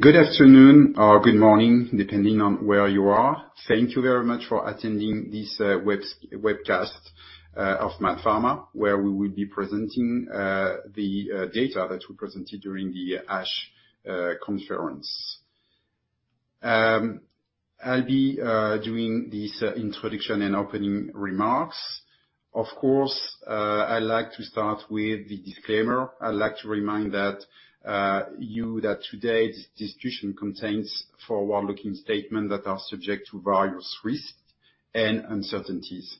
Good afternoon or good morning, depending on where you are. Thank you very much for attending this webcast of MaaT Pharma, where we will be presenting the data that we presented during the ASH conference. I'll be doing this introduction and opening remarks. Of course, I like to start with the disclaimer. I like to remind you that today this discussion contains forward-looking statement that are subject to various risks and uncertainties.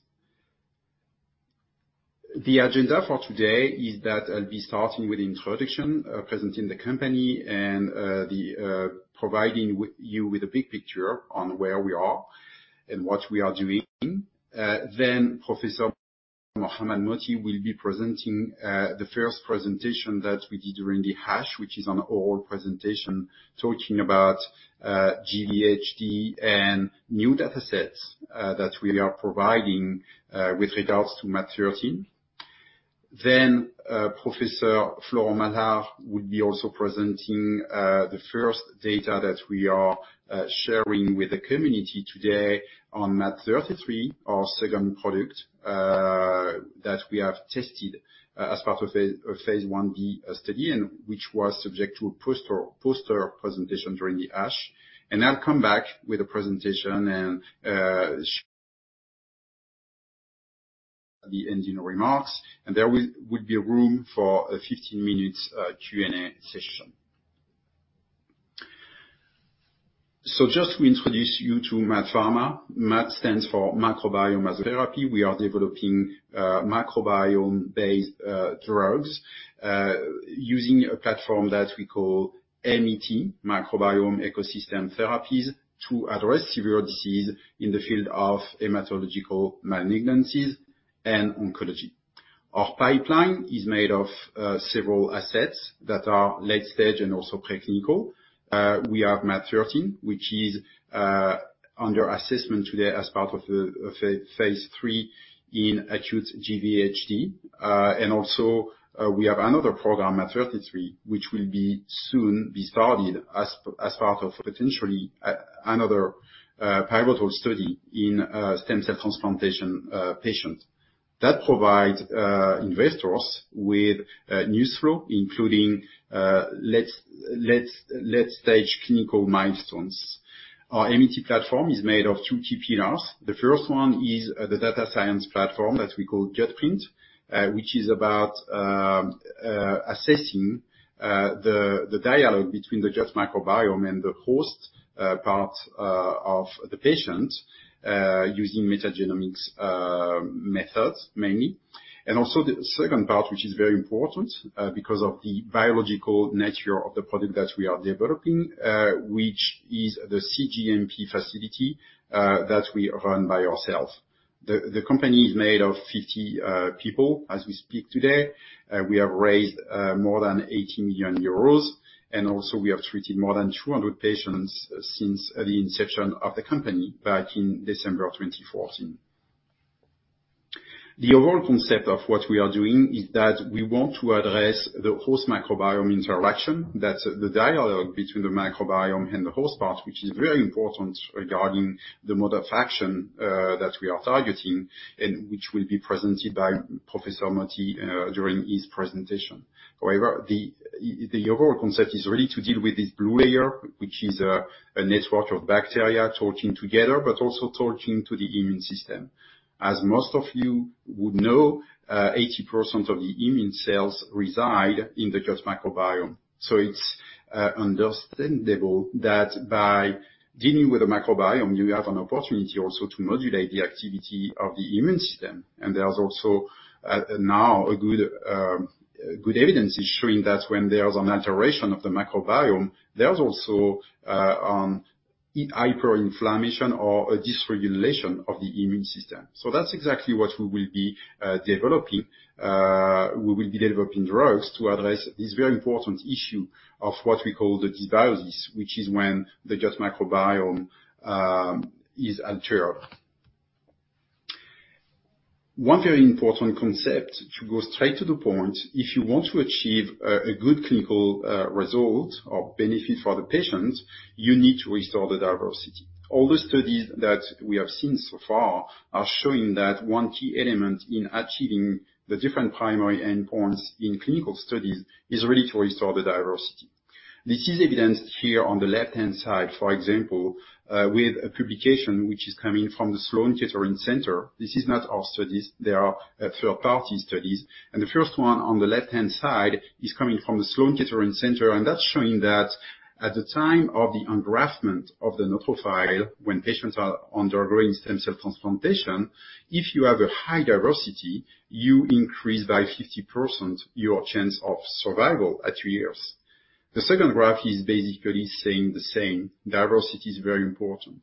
The agenda for today is that I'll be starting with introduction, presenting the company and the providing you with a big picture on where we are and what we are doing. Professor Mohamad Mohty will be presenting the first presentation that we did during the ASH, which is an oral presentation talking about GvHD and new datasets that we are providing with regards to MaaT013. Professor Florent Malard will be also presenting the first data that we are sharing with the community today on MaaT033, our second product that we have tested as part of a phase I-D study and which was subject to a poster presentation during the ASH. I'll come back with a presentation and the ending remarks, and there will be room for a 15 minutes Q&A session. Just to introduce you to MaaT Pharma. MaaT stands for Microbiome as a Therapy. We are developing microbiome-based drugs using a platform that we call MET, Microbiome Ecosystem Therapies, to address severe disease in the field of hematological malignancies and oncology. Our pipeline is made of several assets that are late stage and also pre-clinical. We have MaaT013, which is under assessment today as part of the phase III in acute GvHD. Also, we have another program, MaaT033, which will be soon be started as part of potentially another pivotal study in stem cell transplantation patients. That provides investors with news flow, including late stage clinical milestones. Our MET platform is made of two key pillars. The first one is the data science platform that we call gutPrint, which is about assessing the dialogue between the gut microbiome and the host part of the patient using metagenomics methods mainly. The second part, which is very important because of the biological nature of the product that we are developing, which is the cGMP facility that we run by ourselves. The company is made of 50 people as we speak today. We have raised more than 80 million euros, and also we have treated more than 200 patients since the inception of the company back in December of 2014. The overall concept of what we are doing is that we want to address the host microbiome interaction. That's the dialogue between the microbiome and the host part, which is very important regarding the mode of action that we are targeting and which will be presented by Professor Mohty during his presentation. However, the overall concept is really to deal with this blue layer, which is a network of bacteria talking together, but also talking to the immune system. As most of you would know, 80% of the immune cells reside in the gut microbiome. It's understandable that by dealing with the microbiome, you have an opportunity also to modulate the activity of the immune system. There's also now a good evidence is showing that when there's an alteration of the microbiome, there's also hyperinflammation or a dysregulation of the immune system. That's exactly what we will be developing. We will be developing drugs to address this very important issue of what we call the dysbiosis, which is when the gut microbiome is altered. One very important concept, to go straight to the point, if you want to achieve a good clinical result or benefit for the patient, you need to restore the diversity. All the studies that we have seen so far are showing that one key element in achieving the different primary endpoints in clinical studies is really to restore the diversity. This is evidenced here on the left-hand side, for example, with a publication which is coming from the Sloan Kettering Center. This is not our studies. They are third-party studies. The first one on the left-hand side is coming from the Sloan Kettering Center, and that's showing that at the time of the engraftment of the neutrophil, when patients are undergoing stem cell transplantation, if you have a high diversity, you increase by 50% your chance of survival at three years. The second graph is basically saying the same. Diversity is very important.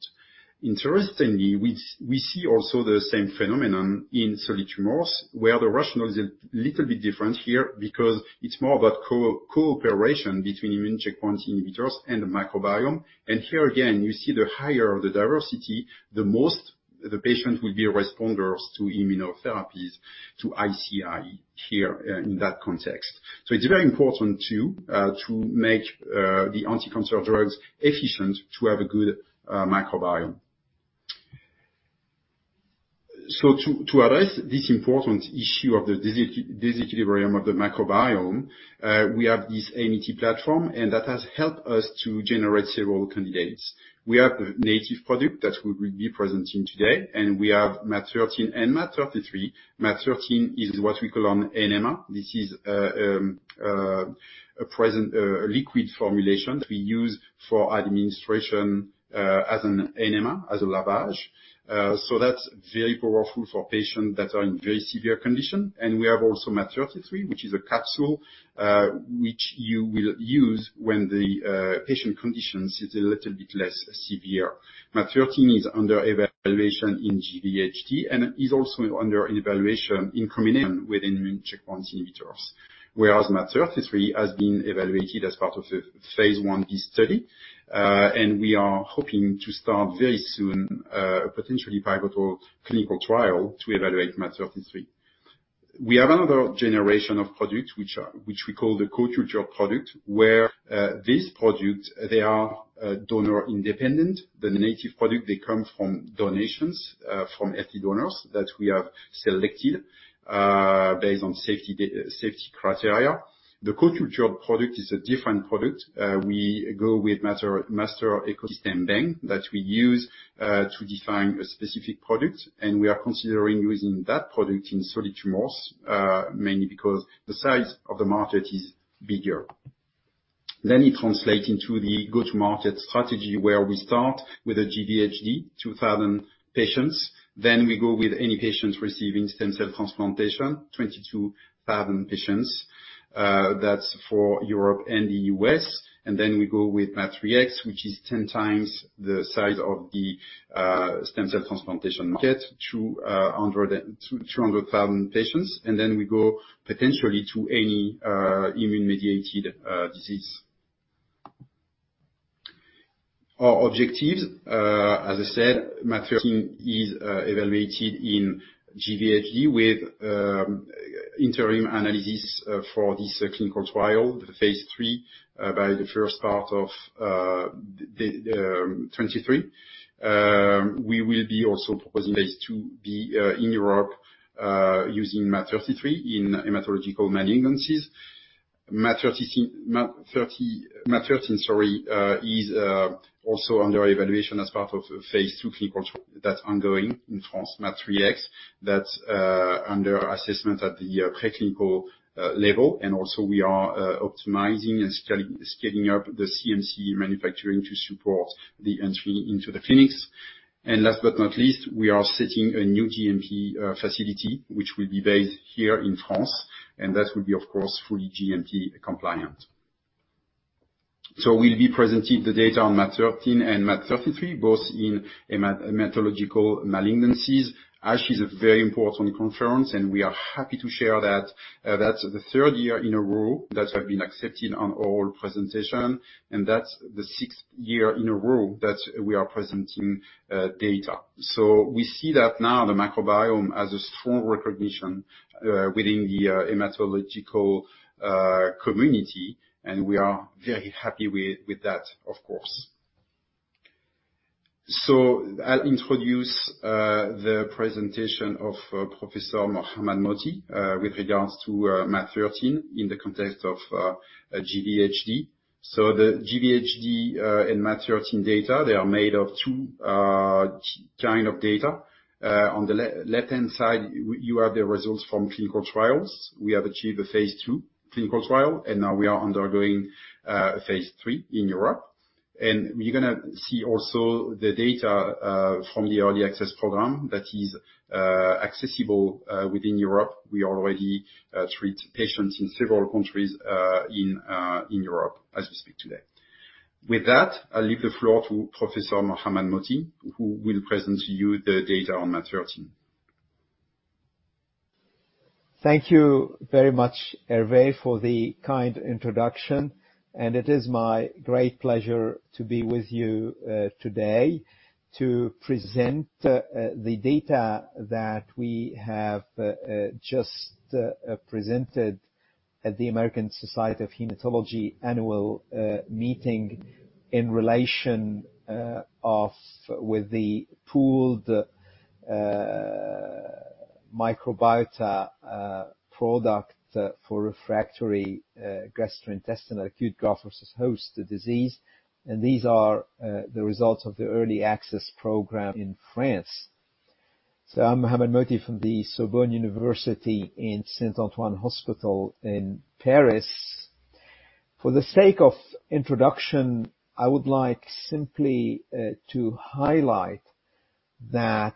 Interestingly, we see also the same phenomenon in solid tumors where the rationale is a little bit different here because it's more about cooperation between immune checkpoint inhibitors and the microbiome. Here again, you see the higher the diversity, the most the patient will be responders to immunotherapies, to ICI here in that context. It's very important to make the anti-cancer drugs efficient to have a good microbiome. To address this important issue of the disequilibrium of the microbiome, we have this MET platform, and that has helped us to generate several candidates. We have a native product that we will be presenting today, and we have MAT13 and MAT33. MAT13 is what we call an enema. This is a present liquid formulation we use for administration as an enema, as a lavage. That's very powerful for patients that are in very severe condition. We have also MAT33, which is a capsule, which you will use when the patient condition is a little bit less severe. MaaT013 is under evaluation in GvHD, it is also under evaluation in combination with immune checkpoint inhibitors, whereas MaaT033 has been evaluated as part of a phase I-B study. We are hoping to start very soon, potentially pivotal clinical trial to evaluate MaaT033. We have another generation of products which are, which we call the co-culture product, where these products, they are donor-independent. The native product, they come from donations, from healthy donors that we have selected, based on safety criteria. The co-culture product is a different product. We go with master ecosystem bank that we use, to define a specific product, and we are considering using that product in solid tumors, mainly because the size of the market is bigger. It translates into the go-to-market strategy where we start with a GvHD, 2,000 patients. We go with any patients receiving stem cell transplantation, 22,000 patients. That's for Europe and the U.S. We go with MaaT03X, which is 10x the size of the stem cell transplantation market, 200,000 patients. We go potentially to any immune-mediated disease. Our objectives, as I said, MaaT013 is evaluated in GvHD with interim analysis for this clinical trial, the phase III, by the first part of the 2023. We will be also proposing this to be in Europe, using MaaT033 in hematological malignancies. MaaT013, sorry, is also under evaluation as part of a phase II clinical trial that's ongoing in France. MaaT03X, that's under assessment at the preclinical level. Also we are optimizing and scaling up the CMC manufacturing to support the entry into the clinics. Last but not least, we are setting a new GMP facility, which will be based here in France, and that will be of course fully GMP compliant. We'll be presenting the data on MaaT013 and MaaT033, both in hematological malignancies. ASH is a very important conference, and we are happy to share that that's the third year in a row that we've been accepted on oral presentation, and that's the sixth year in a row that we are presenting data. We see that now the microbiome has a strong recognition within the hematological community, and we are very happy with that of course. I'll introduce the presentation of Professor Mohamad Mohty with regards to MaaT013 in the context of GvHD. The GvHD and MaaT013 data, they are made of two kind of data. On the left-hand side, you have the results from clinical trials. We have achieved a phase II clinical trial, and now we are undergoing phase III in Europe. You're gonna see also the data from the early access program that is accessible within Europe. We already treat patients in several countries in Europe as we speak today. With that, I leave the floor to Professor Mohamad Mohty, who will present to you the data on MaaT013. Thank you very much, Hervé, for the kind introduction. It is my great pleasure to be with you today to present the data that we have just presented at the American Society of Hematology annual meeting in relation with the pooled microbiota product for refractory gastrointestinal acute Graft-versus-Host Disease. These are the results of the early access program in France. I'm Mohamad Mohty from the Sorbonne University in Saint-Antoine Hospital in Paris. For the sake of introduction, I would like simply to highlight that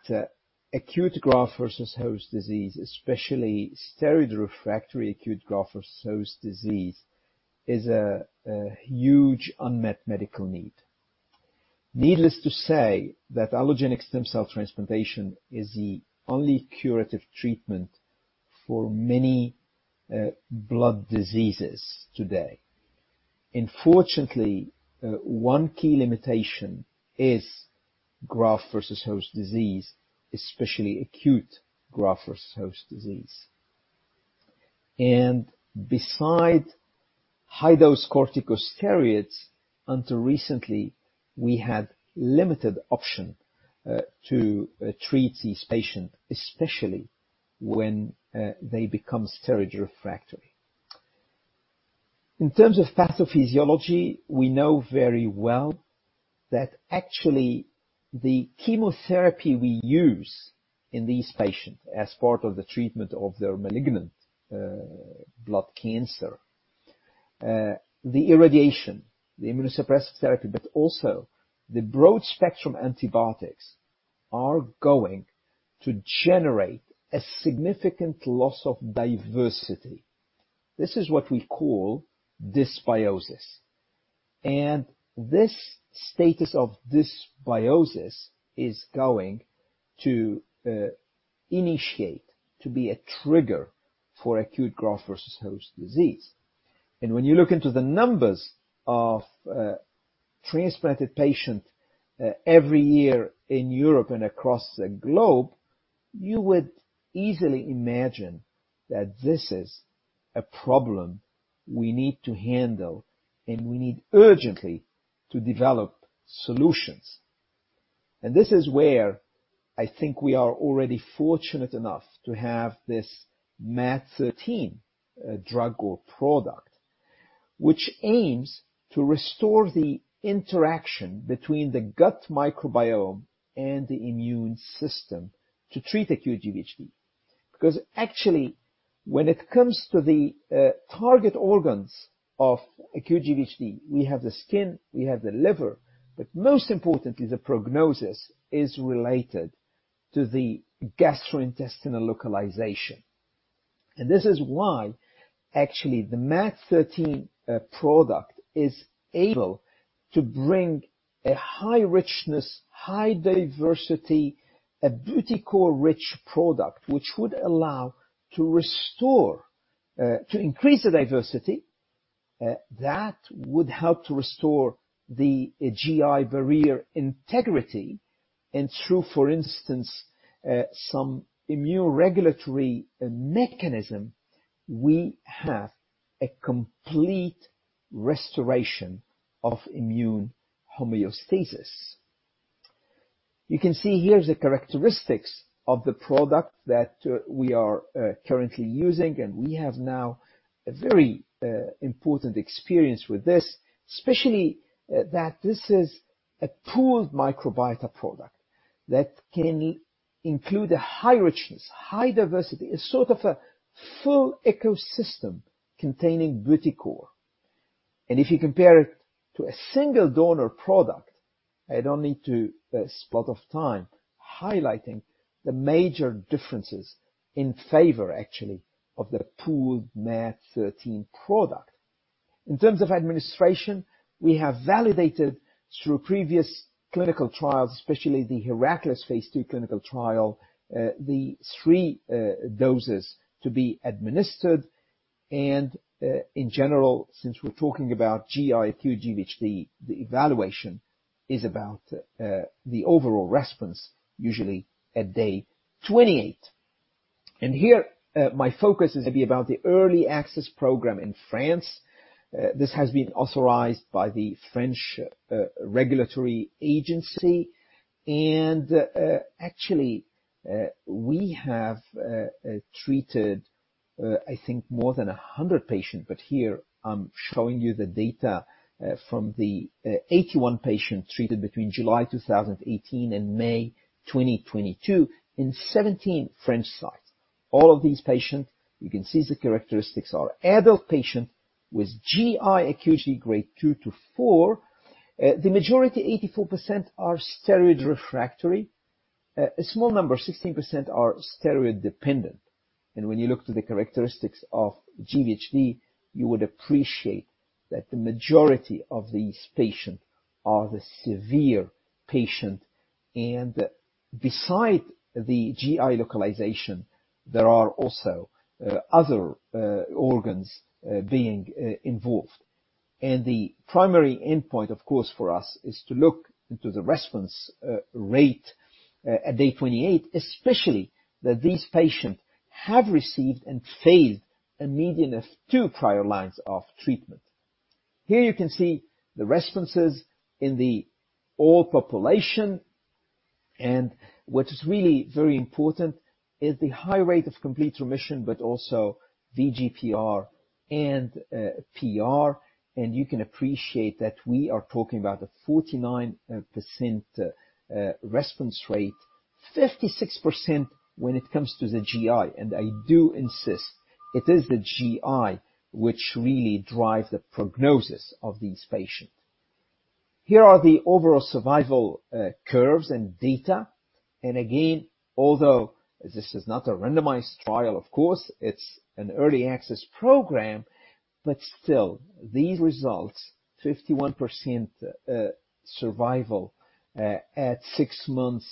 acute Graft-versus-Host Disease, especially steroid refractory acute Graft-versus-Host Disease, is a huge unmet medical need. Needless to say that allogeneic stem cell transplantation is the only curative treatment for many blood diseases today. Unfortunately, one key limitation is Graft-versus-Host Disease, especially acute Graft-versus-Host Disease. Beside high-dose corticosteroids, until recently, we had limited option to treat these patients, especially when they become steroid refractory. In terms of pathophysiology, we know very well that actually the chemotherapy we use in these patients as part of the treatment of their malignant blood cancer, the irradiation, the immunosuppressive therapy, but also the broad-spectrum antibiotics are going to generate a significant loss of diversity. This is what we call dysbiosis. This status of dysbiosis is going to initiate, to be a trigger for acute Graft-versus-Host Disease. When you look into the numbers of transplanted patient every year in Europe and across the globe, you would easily imagine that this is a problem we need to handle, and we need urgently to develop solutions. This is where I think we are already fortunate enough to have this MaaT013 drug or product, which aims to restore the interaction between the gut microbiome and the immune system to treat acute GvHD. Actually, when it comes to the target organs of acute GvHD, we have the skin, we have the liver, but most importantly, the prognosis is related to the gastrointestinal localization. This is why actually the MaaT013 product is able to bring a high richness, high diversity, a Butycore rich product, which would allow to restore, to increase the diversity. That would help to restore the GI barrier integrity. Through, for instance, some immune regulatory mechanism, we have a complete restoration of immune homeostasis. You can see here the characteristics of the product that we are currently using. We have now a very important experience with this, especially that this is a pooled microbiota product that can include a high richness, high diversity. It's sort of a full ecosystem containing Butycore. If you compare it to a single donor product, I don't need to spot of time highlighting the major differences in favor actually of the pooled MaaT013 product. In terms of administration, we have validated through previous clinical trials, especially the HERACLES Phase II clinical trial, the three doses to be administered. In general, since we're talking about GI aGvHD, the evaluation is about the overall response, usually at day 28. Here, my focus is gonna be about the early access program in France. This has been authorized by the French regulatory agency. Actually, we have treated, I think more than 100 patient. Here I'm showing you the data from the 81 patient treated between July 2018 and May 2022 in 17 French sites. All of these patients, you can see the characteristics are adult patient with GI acuity grade two-four. The majority, 84% are steroid refractory. A small number, 16% are steroid dependent. When you look to the characteristics of GvHD, you would appreciate that the majority of these patients are the severe patient. Beside the GI localization, there are also other organs being involved. The primary endpoint, of course, for us, is to look into the response rate at day 28, especially that these patients have received and failed a median of two prior lines of treatment. Here you can see the responses in the all population. What is really very important is the high rate of complete remission, but also VGPR and PR. You can appreciate that we are talking about a 49% response rate, 56% when it comes to the GI. I do insist it is the GI which really drive the prognosis of these patients. Here are the overall survival curves and data. Again, although this is not a randomized trial, of course, it's an early access program. Still, these results, 51% survival at six months,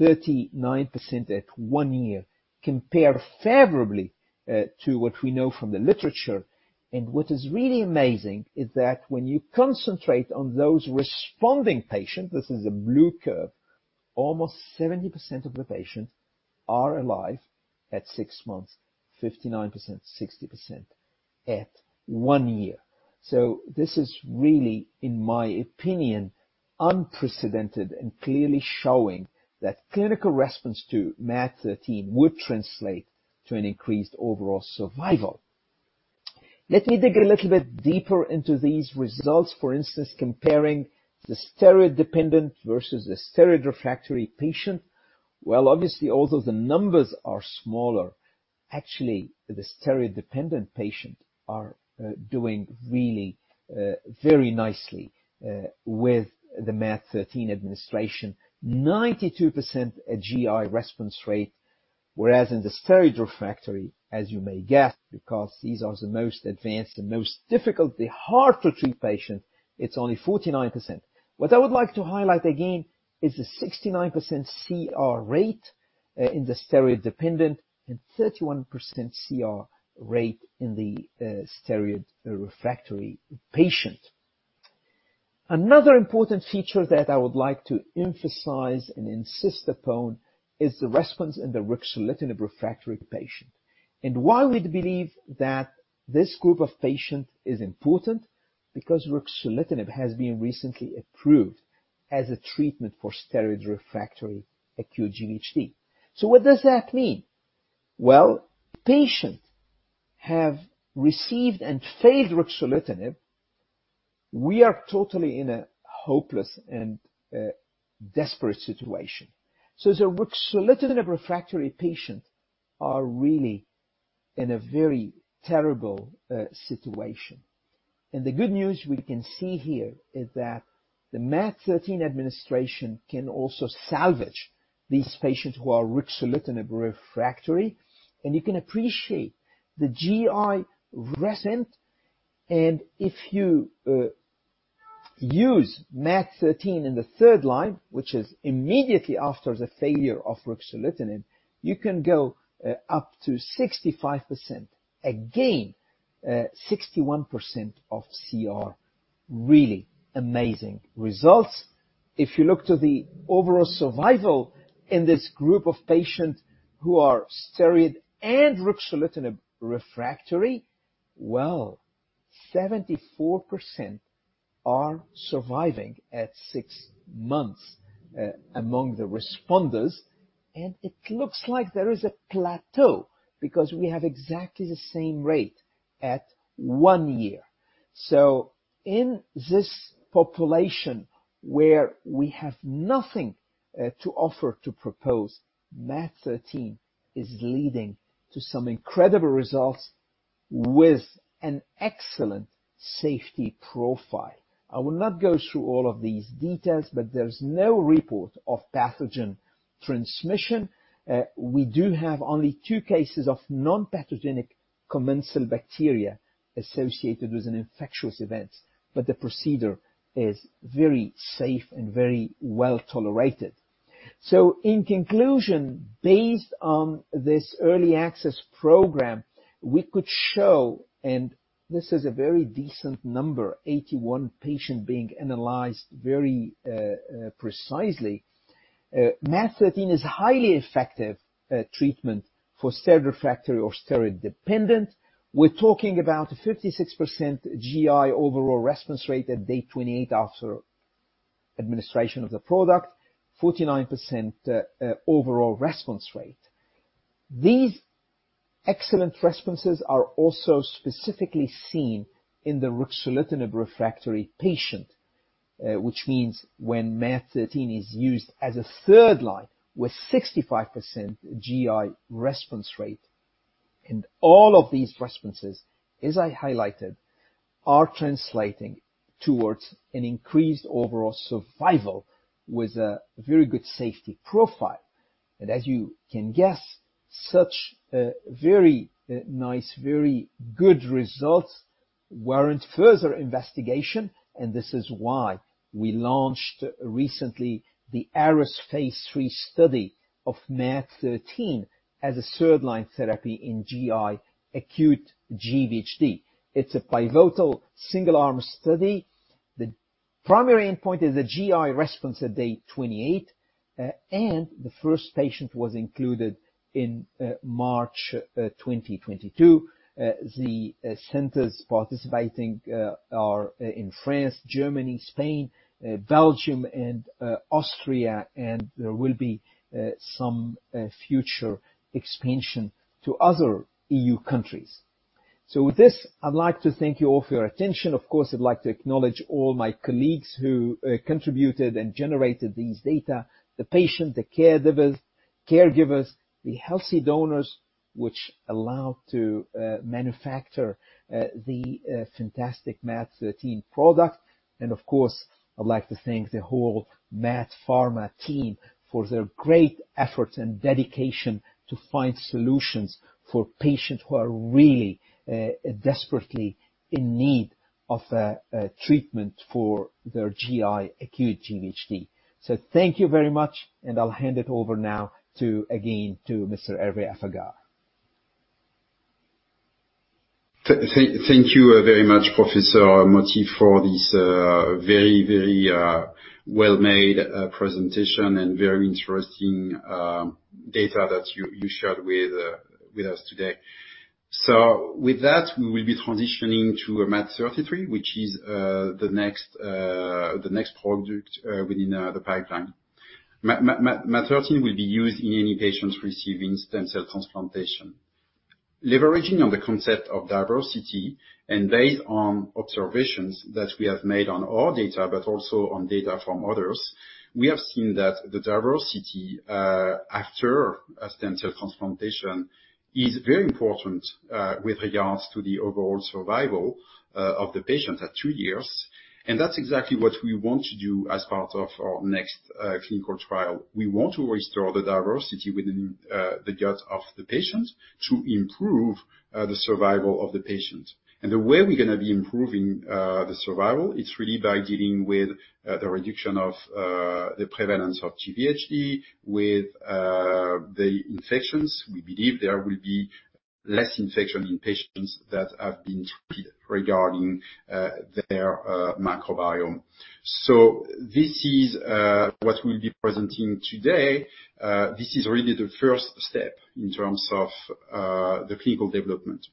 39% at one year compare favorably to what we know from the literature. What is really amazing is that when you concentrate on those responding patients, this is a blue curve. Almost 70% of the patients are alive at six months, 59%, 60% at one year. This is really, in my opinion, unprecedented and clearly showing that clinical response to MaaT013 would translate to an increased overall survival. Let me dig a little bit deeper into these results. For instance, comparing the steroid-dependent versus the steroid-refractory patient. Obviously, although the numbers are smaller, actually the steroid-dependent patient are doing really very nicely with the MaaT013 administration. 92% GI response rate, whereas in the steroid refractory, as you may guess, because these are the most advanced and most difficult, the hard to treat patient, it's only 49%. What I would like to highlight again is the 69% CR rate in the steroid dependent and 31% CR rate in the steroid refractory patient. Another important feature that I would like to emphasize and insist upon is the response in the ruxolitinib refractory patient. Why we believe that this group of patient is important because ruxolitinib has been recently approved as a treatment for steroid refractory acute GvHD. What does that mean? Well, patient have received and failed ruxolitinib. We are totally in a hopeless and desperate situation. The ruxolitinib refractory patient are really in a very terrible situation. The good news we can see here is that the MaaT013 administration can also salvage these patients who are ruxolitinib refractory, and you can appreciate the GI. If you use MaaT013 in the third line, which is immediately after the failure of ruxolitinib, you can go up to 65%. Again, 61% of CR. Really amazing results. If you look to the overall survival in this group of patients who are steroid and ruxolitinib refractory, well, 74% are surviving at six months among the responders, and it looks like there is a plateau because we have exactly the same rate at one year. In this population where we have nothing to offer to propose, MaaT013 is leading to some incredible results with an excellent safety profile. I will not go through all of these details, there's no report of pathogen transmission. We do have only two cases of non-pathogenic commensal bacteria associated with an infectious event, but the procedure is very safe and very well-tolerated. In conclusion, based on this early access program, we could show, and this is a very decent number, 81 patient being analyzed very precisely. MaaT013 is highly effective treatment for steroid refractory or steroid dependent. We're talking about a 56% GI overall response rate at day 28 after administration of the product, 49% overall response rate. These excellent responses are also specifically seen in the ruxolitinib refractory patient, which means when MaaT013 is used as a third line with 65% GI response rate. All of these responses, as I highlighted, are translating towards an increased overall survival with a very good safety profile. As you can guess, such a very nice, very good results warrant further investigation, and this is why we launched recently the ARES phase III study of MaaT013 as a third line therapy in GI aGvHD. It's a pivotal single arm study. The primary endpoint is a GI response at day 28, and the first patient was included in March 2022. The centers participating are in France, Germany, Spain, Belgium and Austria, and there will be some future expansion to other EU countries. With this, I'd like to thank you all for your attention. Of course, I'd like to acknowledge all my colleagues who contributed and generated these data, the patient, the caregivers, the healthy donors, which allowed to manufacture the fantastic MaaT013 product. Of course, I'd like to thank the whole MaaT Pharma team for their great efforts and dedication to find solutions for patients who are really desperately in need of a treatment for their GI aGvHD. Thank you very much, and I'll hand it over now to, again, to Mr. Hervé Affagard. Thank you very much Professor Mohty for this very well-made presentation and very interesting data that you shared with us today. With that, we will be transitioning to MaaT033, which is the next product within the pipeline. MaaT033 will be used in any patients receiving stem cell transplantation. Leveraging on the concept of diversity and based on observations that we have made on our data, but also on data from others, we have seen that the diversity after a stem cell transplantation is very important with regards to the overall survival of the patient at two years. That's exactly what we want to do as part of our next clinical trial. We want to restore the diversity within the gut of the patient to improve the survival of the patient. The way we're gonna be improving the survival, it's really by dealing with the reduction of the prevalence of GvHD, with the infections. We believe there will be less infection in patients that have been treated regarding their microbiome. This is what we'll be presenting today. This is really the first step in terms of the clinical development.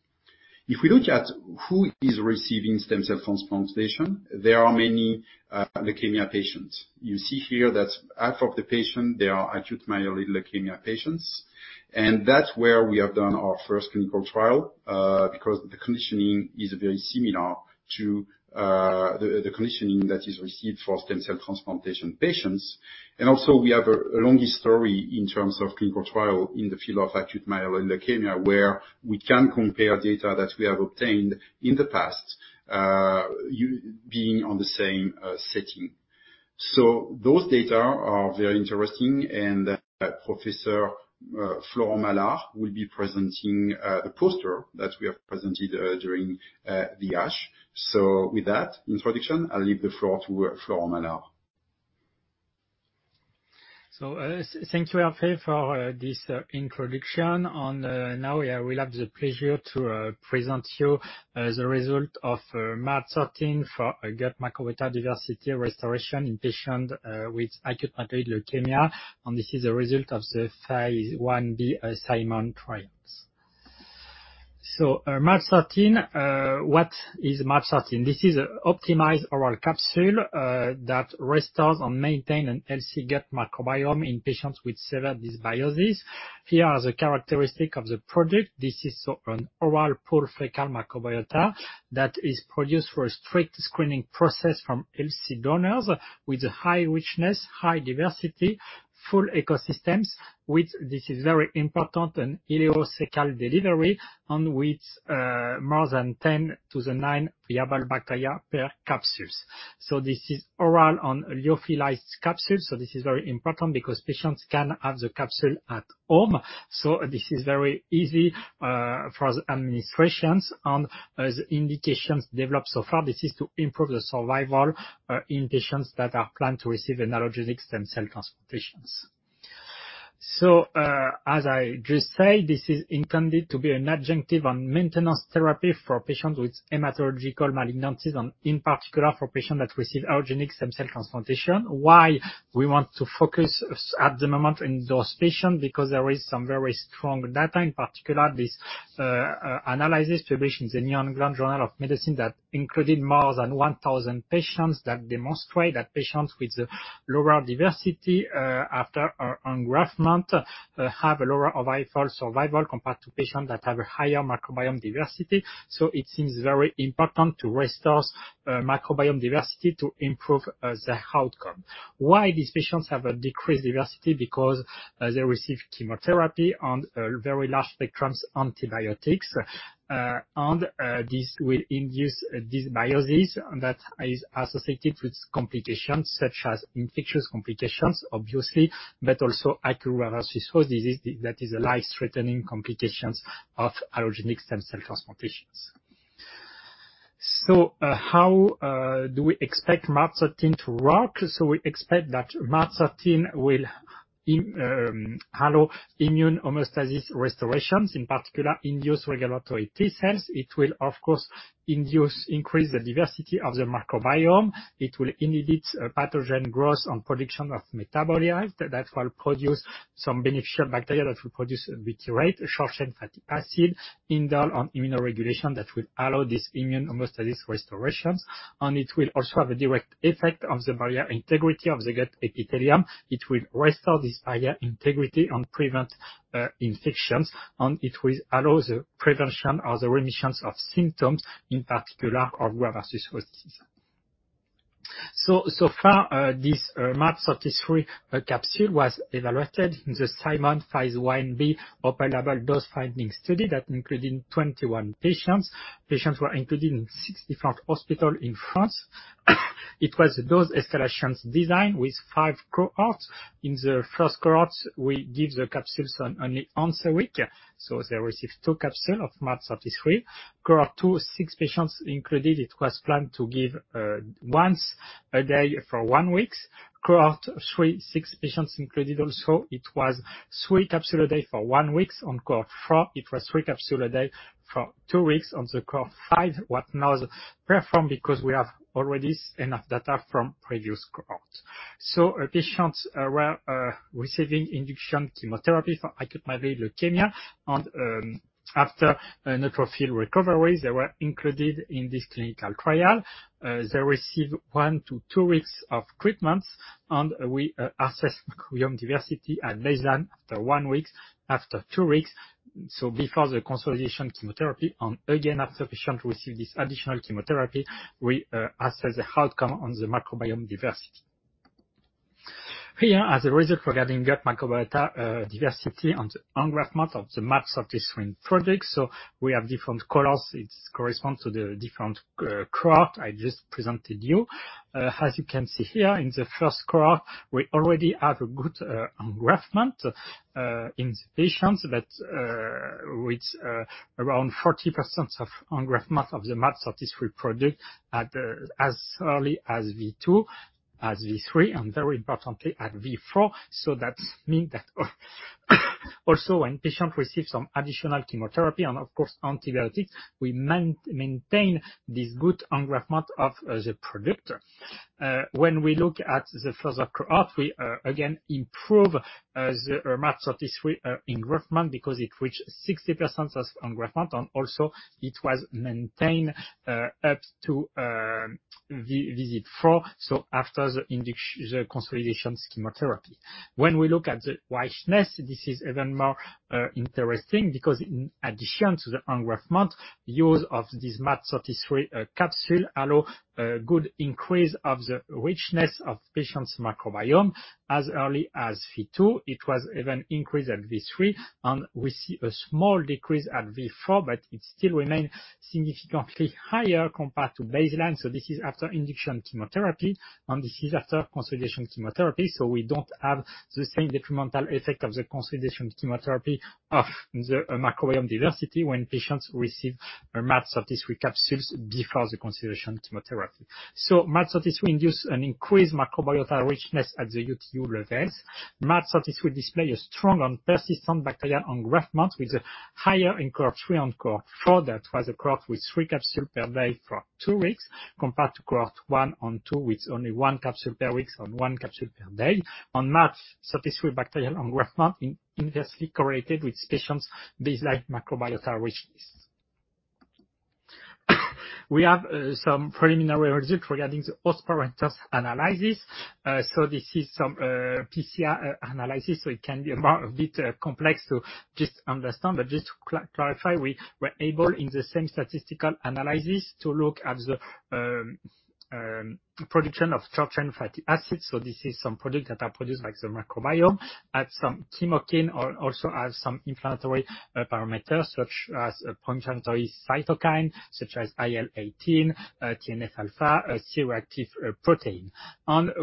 If we look at who is receiving stem cell transplantation, there are many leukemia patients. You see here that half of the patient, they are acute myeloid leukemia patients, and that's where we have done our first clinical trial, because the conditioning is very similar to the conditioning that is received for stem cell transplantation patients. Also, we have a longer history in terms of clinical trial in the field of acute myeloid leukemia, where we can compare data that we have obtained in the past, being on the same setting. Those data are very interesting, and Professor Florent Malard will be presenting the poster that we have presented during the ASH. With that introduction, I'll leave the floor to Florent Malard. Thank you, Hervé, for this introduction. Now I will have the pleasure to present you the result of MaaT033 for a gut microbiota diversity restoration in patient with acute myeloid leukemia. This is a result of the phase I-B CIMON trials. MaaT033, what is MaaT033? This is an optimized oral capsule that restores and maintain an healthy gut microbiome in patients with severe dysbiosis. Here are the characteristic of the product. This is so an oral pool fecal microbiota that is produced through a strict screening process from healthy donors with high richness, high diversity, full ecosystems with, this is very important, an ileocecal delivery on with more than 10 to the nine viable bacteria per capsules. This is oral and lyophilized capsule. This is very important because patients can have the capsule at home. This is very easy for the administrations. As indications develop so far, this is to improve the survival in patients that are planned to receive allogeneic stem cell transplantations. As I just said, this is intended to be an adjunctive on maintenance therapy for patients with hematological malignancies and in particular, for patients that receive allogeneic stem cell transplantation. Why we want to focus at the moment in those patients, because there is some very strong data, in particular this analysis published in The New England Journal of Medicine that included more than 1,000 patients that demonstrate that patients with the lower diversity after a graft month have a lower overall survival compared to patients that have a higher microbiome diversity. It seems very important to restore microbiome diversity to improve the outcome. Why these patients have a decreased diversity? They receive chemotherapy and very large spectrums antibiotics. This will induce dysbiosis that is associated with complications such as infectious complications, obviously, but also Acute Graft-versus-Host Disease, that is a life-threatening complications of allogeneic stem cell transplantations. How do we expect MaaT013 to work? We expect that MaaT013 will allow immune homeostasis restorations, in particular induced regulatory T cells. It will of course induce, increase the diversity of the microbiome. It will inhibit pathogen growth and production of metabolite. That will produce some beneficial bacteria that will produce a butyrate, short-chain fatty acid, induce on immunoregulation that will allow this immune homeostasis restorations. It will also have a direct effect on the barrier integrity of the gut epithelium. It will restore this higher integrity and prevent infections, and it will allow the prevention or the remissions of symptoms, in particular of Graft-versus-Host Disease. So far, this MaaT033 capsule was evaluated in the SIMON Phase I-B open-label dose-finding study that including 21 patients. Patients were included in six different hospital in France. It was a dose escalations design with five cohorts. In the first cohort, we give the capsules only once a week, so they receive two capsules of MaaT033. Cohort II, six patients included, it was planned to give once a day for one week. Cohort III, six patients included also, it was three capsules a day for one week. Cohort IV, it was three capsules a day for two weeks. The Cohort V, what not perform because we have already enough data from previous cohort. Our patients were receiving induction chemotherapy for acute myeloid leukemia. After a neutrophil recovery, they were included in this clinical trial. They received one-two weeks of treatments, and we assess microbiome diversity at baseline after one week, after two weeks, before the consolidation chemotherapy. Again, after patient received this additional chemotherapy, we assess the outcome on the microbiome diversity. Here are the results regarding gut microbiota diversity and the engraftment of the MaaT033 product. We have different colors. It corresponds to the different cohort I just presented you. As you can see here in the first cohort, we already have a good engraftment in the patients, but with around 40% of engraftment of the MaaT033 product as early as W2, as W3, and very importantly, at W4. That means that also when patient receives some additional chemotherapy and of course, antibiotics, we maintain this good engraftment of the product. When we look at the further cohort, we again improve the MaaT033 engraftment because it reached 60% of engraftment. Also it was maintained up to visit four, after the consolidation chemotherapy. When we look at the richness, this is even more interesting because in addition to the engraftment, use of this MaaT033 capsule allow a good increase of the richness of patients' microbiome as early as V2. It was even increased at V3, and we see a small decrease at V4, but it still remained significantly higher compared to baseline. This is after induction chemotherapy, and this is after consolidation chemotherapy. We don't have the same detrimental effect of the consolidation chemotherapy of the microbiome diversity when patients receive our MaaT033 capsules before the consolidation chemotherapy. MaaT033 induced an increased microbiota richness at the OTU levels. MaaT033 display a strong and persistent bacterial engraftment with higher in cohort III and cohort IV. That was a cohort with three capsules per day for two weeks, compared to cohort I and II with only one capsule per week and one capsule per day. On MaaT033 bacterial engraftment in inversely correlated with patients' baseline microbiota richness. We have some preliminary results regarding the host parameters analysis. This is some PCR analysis, so it can be a bit complex to just understand. Just to clarify, we were able, in the same statistical analysis, to look at the production of short-chain fatty acids. This is some products that are produced by the microbiome, add some chemokine, also add some inflammatory parameters such as a pro-inflammatory cytokine such as IL-18, TNF-α, C-reactive protein.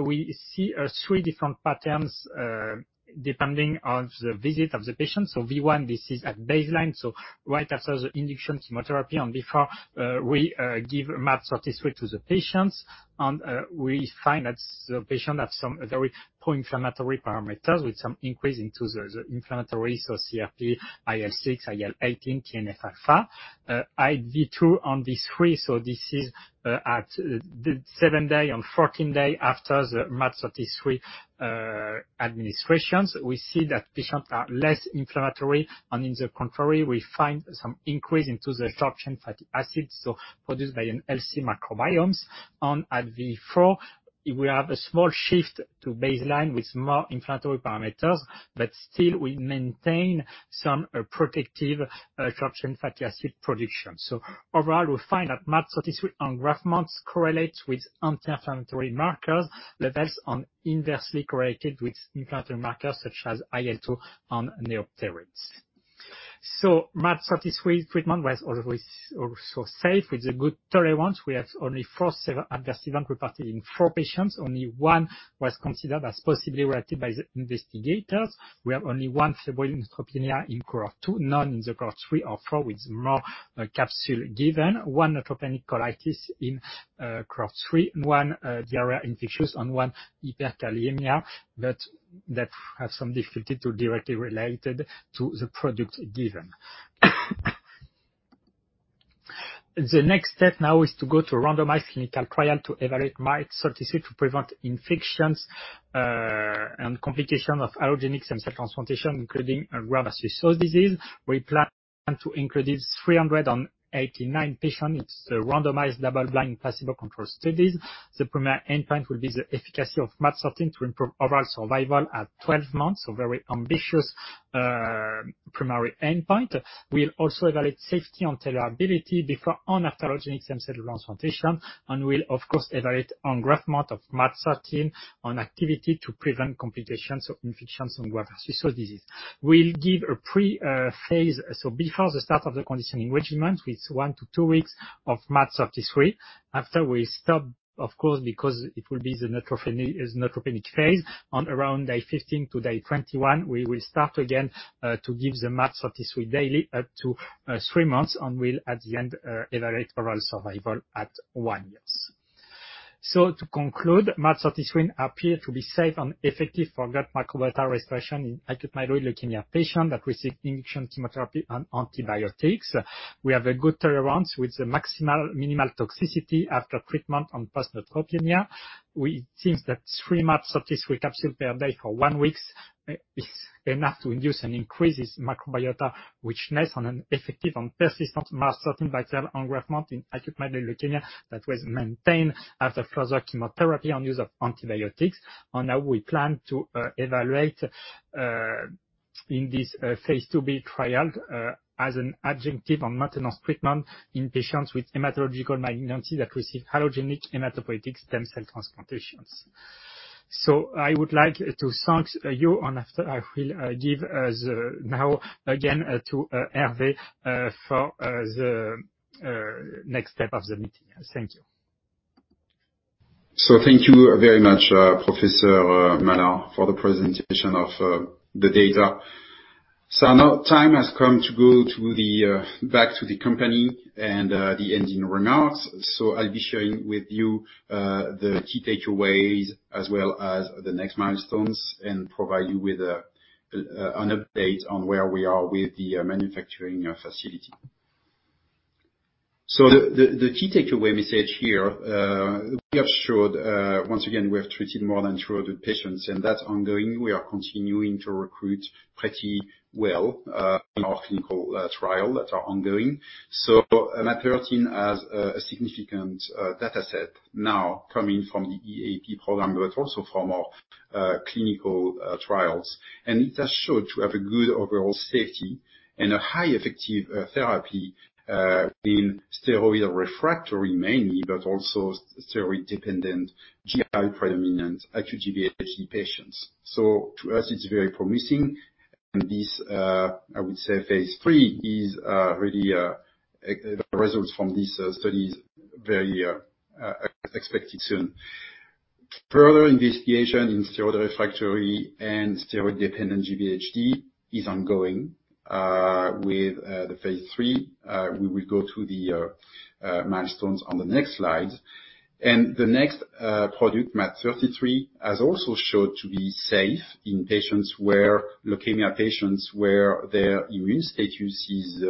We see three different patterns depending on the visit of the patient. V1, this is at baseline, right after the induction chemotherapy and before we give MaaT033 to the patients. We find that the patient has some very pro-inflammatory parameters with some increase into the inflammatory, so CRP, IL-6, IL-18, TNF-α. At V2 and V3, this is at the seven day and 14 day after the MaaT033 administrations. We see that patients are less inflammatory, and in the contrary, we find some increase into the short-chain fatty acids, so produced by an LC microbiomes. At V4 we have a small shift to baseline with more inflammatory parameters, but still we maintain some protective short-chain fatty acid production. Overall, we find that MaaT033 engraftments correlates with anti-inflammatory markers, levels, and inversely correlated with inflammatory markers such as IL-2 and neopterin. MaaT033 treatment was always also safe with a good tolerance. We had only four adverse event reported in four patients. Only one was considered as possibly related by the investigators. We have only one severe neutropenia in cohort II, none in the cohort III or IV, with more capsule given. One neutropenic colitis in cohort III, and one diarrhea, infectious, and 1one hyperkalemia, but that have some difficulty to directly related to the product given. The next step now is to go to a randomized clinical trial to evaluate MaaT033 to prevent infections and complications of allogeneic stem cell transplantation, including Graft-versus-Host Disease. We plan to include this 389 patients. It's a randomized double-blind placebo-controlled studies. The primary endpoint will be the efficacy of MaaT033 to improve overall survival at 12 months, very ambitious primary endpoint. We'll also evaluate safety and tolerability before and after allogeneic stem cell transplantation. We'll of course evaluate engraftment of MaaT033 on activity to prevent complications of infections and Graft-versus-Host Disease. We'll give a pre-phase, so before the start of the conditioning regimen, with one-two weeks of MaaT033. After we stop, of course, because it will be the neutropenic phase. Around day 15-day 21, we will start again to give the MaaT033 daily up to three months. We'll at the end evaluate overall survival at one year. To conclude, MaaT033 appear to be safe and effective for gut microbiota restoration in acute myeloid leukemia patient that receive induction chemotherapy and antibiotics. We have a good tolerance with the maximal minimal toxicity after treatment and post neutropenia. We think that three MaaT033 capsule per day for one week is enough to induce and increase this microbiota richness on an effective and persistent multiliter bacterial engraftment in acute myeloid leukemia that was maintained after further chemotherapy and use of antibiotics. Now we plan to evaluate in this phase II-B trial as an adjunctive on maintenance treatment in patients with hematological malignancy that receive allogeneic hematopoietic stem cell transplantations. I would like to thank you, and after I will give the now again to Hervé for the next step of the meeting. Thank you. Thank you very much, Professor Malard for the presentation of the data. Now time has come to go to the back to the company and the ending remarks. I'll be sharing with you the key takeaways as well as the next milestones and provide you with an update on where we are with the manufacturing facility. The key takeaway message here, we have showed once again, we have treated more than 300 patients, and that's ongoing. We are continuing to recruit pretty well in our clinical trial that are ongoing. MaaT013 has a significant data set now coming from the EAP program, but also from our clinical trials. It has showed to have a good overall safety and a high effective therapy in steroid refractory mainly, but also steroid-dependent, GI predominant acute GvHD patients. To us, it's very promising. This, I would say phase III is really results from these studies very expected soon. Further investigation in steroid refractory and steroid-dependent GvHD is ongoing with the phase III. We will go through the milestones on the next slide. The next product, MaaT033, has also showed to be safe in leukemia patients where their immune status is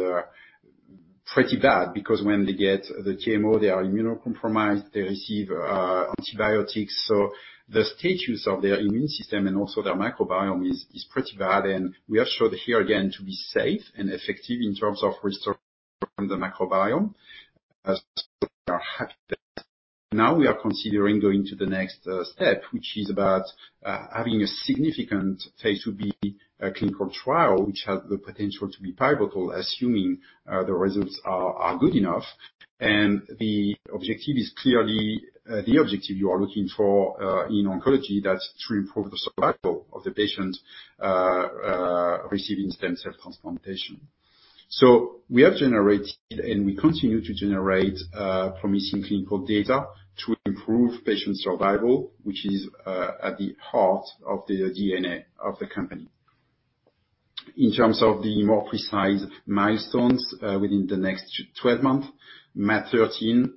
pretty bad because when they get the TMO, they are immunocompromised, they receive antibiotics. The status of their immune system and also their microbiome is pretty bad. We have showed here again to be safe and effective in terms of restoring the microbiome as they are happy with that. Now we are considering going to the next step, which is about having a significant phase II-B clinical trial, which has the potential to be pivotal, assuming the results are good enough. The objective is clearly the objective you are looking for in oncology, that's to improve the survival of the patient receiving stem cell transplantation. We have generated, and we continue to generate promising clinical data to improve patient survival, which is at the heart of the DNA of the company. In terms of the more precise milestones, within the next 12 months, MaaT013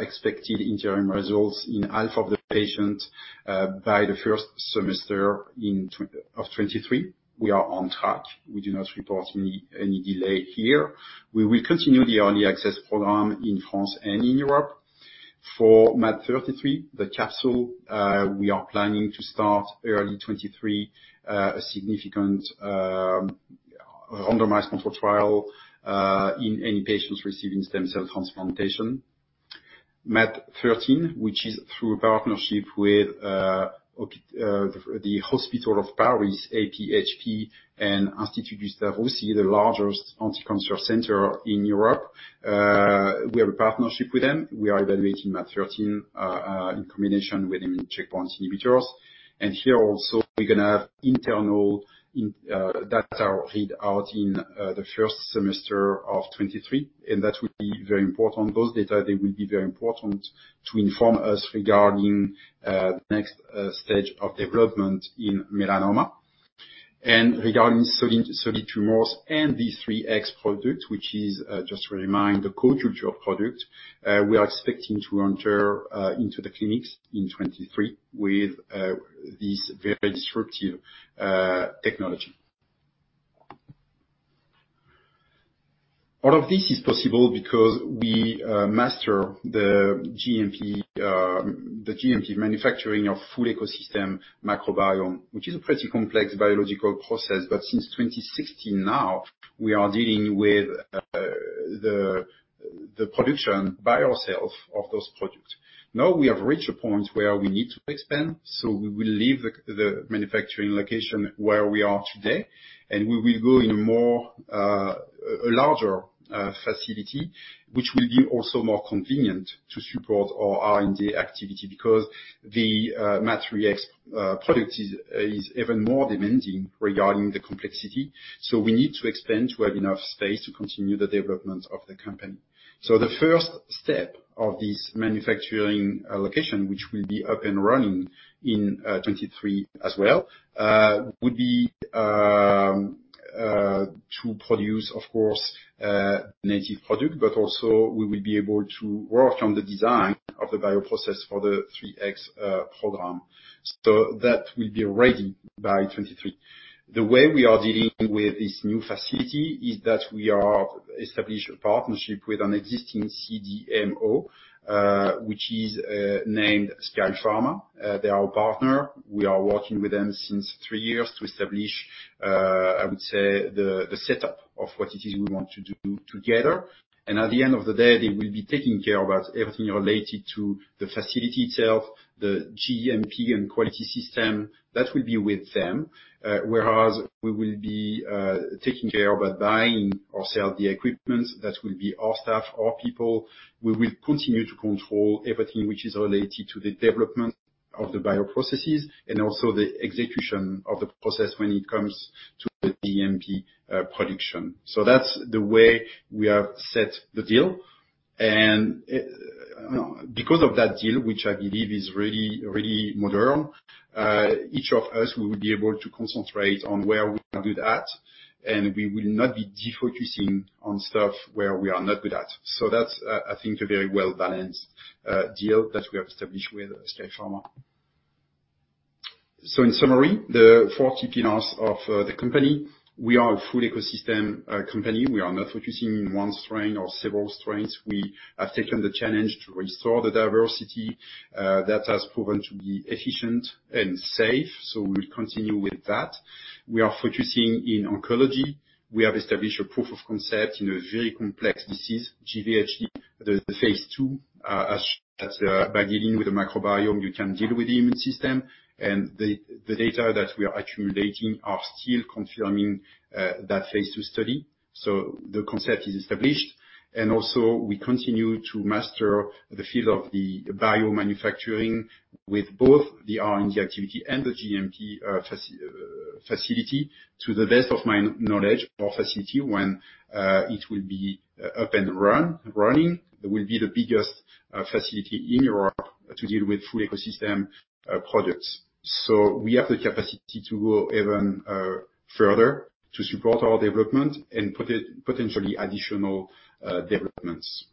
expected interim results in half of the patients by the first semester of 2023. We are on track. We do not report any delay here. We will continue the early access program in France and in Europe. For MaaT033, the capsule, we are planning to start early 2023 a significant randomized controlled trial in any patients receiving stem cell transplantation. MaaT013, which is through a partnership with the Hospital of Paris, AP-HP, and Institut Gustave Roussy, the largest anticancer center in Europe. We have a partnership with them. We are evaluating MaaT013 in combination with immune checkpoint inhibitors. Here also, we're gonna have internal data read out in the first semester of 2023, and that will be very important. Those data, they will be very important to inform us regarding next stage of development in melanoma. Regarding solid tumors and the 3X product, which is just to remind the culture product, we are expecting to enter into the clinics in 2023 with this very disruptive technology. All of this is possible because we master the GMP, the GMP manufacturing of full ecosystem microbiome, which is a pretty complex biological process. Since 2016 now, we are dealing with the production by ourself of those products. We have reached a point where we need to expand, so we will leave the manufacturing location where we are today, and we will go in more larger facility, which will be also more convenient to support our R&D activity because the MaaT03X product is even more demanding regarding the complexity. We need to expand to have enough space to continue the development of the company. The first step of this manufacturing location, which will be up and running in 2023 as well, would be to produce, of course, native product, but also we will be able to work on the design of the bioprocess for the 03X program. That will be ready by 2023. The way we are dealing with this new facility is that we are establish a partnership with an existing CDMO, which is named Skyepharma. They're our partner. We are working with them since three years to establish, I would say the setup of what it is we want to do together. At the end of the day, they will be taking care about everything related to the facility itself, the GMP and quality system. That will be with them. Whereas we will be taking care about buying or sell the equipment. That will be our staff, our people. We will continue to control everything which is related to the development of the bioprocesses and also the execution of the process when it comes to the GMP production. That's the way we have set the deal. You know, because of that deal, which I believe is really, really modern, each of us will be able to concentrate on where we are good at, and we will not be defocusing on stuff where we are not good at. That's I think a very well-balanced deal that we have established with Skyepharma. In summary, the four key partners of the company, we are a full ecosystem company. We are not focusing in one strain or several strains. We have taken the challenge to restore the diversity that has proven to be efficient and safe. We will continue with that. We are focusing in oncology. We have established a proof of concept in a very complex disease, GvHD. The Phase II, as by dealing with the microbiome, you can deal with the immune system and the data that we are accumulating are still confirming that Phase II study. The concept is established. Also we continue to master the field of the biomanufacturing with both the R&D activity and the GMP facility. To the best of my knowledge or facility when it will be up and running, it will be the biggest facility in Europe to deal with full ecosystem products. We have the capacity to go even further to support our development and potentially additional developments.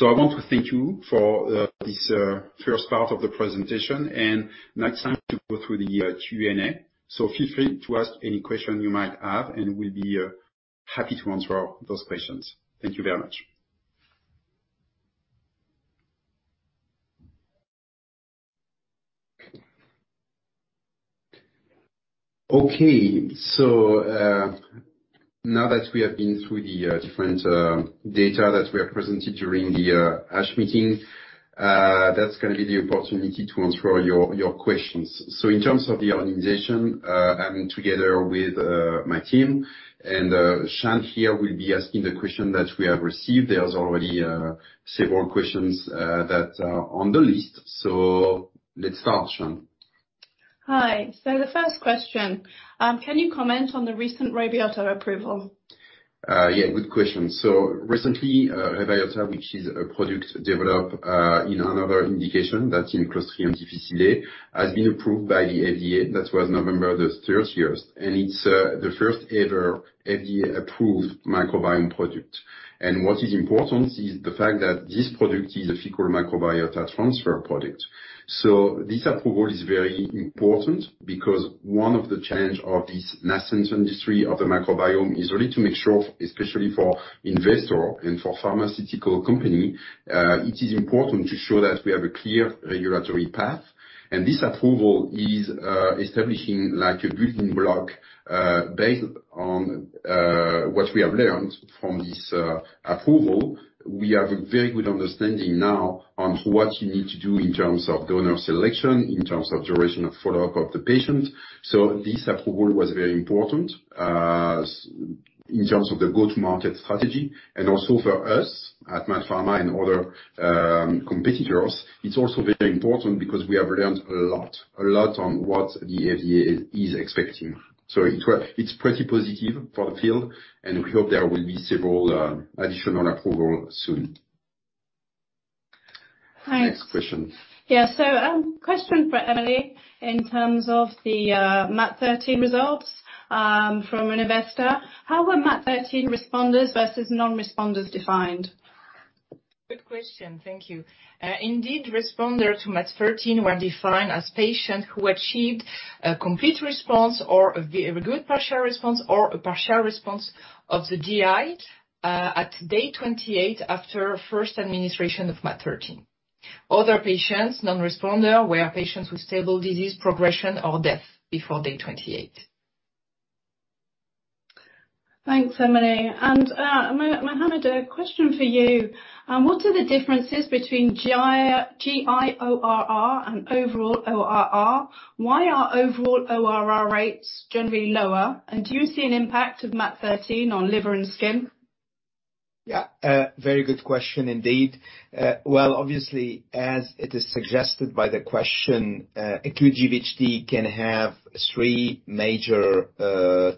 I want to thank you for this first part of the presentation, and now it's time to go through the Q&A. Feel free to ask any question you might have, and we'll be happy to answer all those questions. Thank you very much. Okay. Now that we have been through the different data that we have presented during the ASH meeting, that's gonna be the opportunity to answer your questions. In terms of the organization, I'm together with my team, and Shan here will be asking the question that we have received. There's already several questions that are on the list. Let's start, Shan. Hi. The first question, can you comment on the recent REBYOTA approval? Yeah, good question. Recently, REBYOTA, which is a product developed in another indication that in Clostridioides difficile, has been approved by the FDA. That was November 3rd year. It's the first ever FDA-approved microbiome product. What is important is the fact that this product is a fecal microbiota transfer product. This approval is very important because one of the challenge of this nascent industry of the microbiome is really to make sure, especially for investor and for pharmaceutical company, it is important to show that we have a clear regulatory path. This approval is establishing like a building block. Based on what we have learned from this approval, we have a very good understanding now on what you need to do in terms of donor selection, in terms of duration of follow-up of the patient. This approval was very important in terms of the go-to-market strategy and also for us at MaaT Pharma and other competitors. It is also very important because we have learned a lot on what the FDA is expecting. It is pretty positive for the field, and we hope there will be several additional approval soon. Thanks. Next question. Yeah. Question for Emilie in terms of the MaaT013 results, from an investor. How were MaaT013 responders versus non-responders defined? Good question. Thank you. Indeed, responder to MaaT013 were defined as patients who achieved a complete response or a good partial response or a partial response of the GI, at day 28 after first administration of MaaT013. Other patients, non-responder, were patients with stable disease progression or death before day 28. Thanks, Emilie. Mohamad, a question for you. What are the differences between GI ORR and overall ORR? Why are overall ORR rates generally lower? Do you see an impact of MaaT013 on liver and skin? Yeah, very good question indeed. Well, obviously, as it is suggested by the question, acute GvHD can have three major